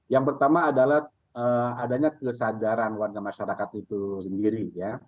yang pertama adalah adanya kesadaran warga masyarakat itu sendiri ya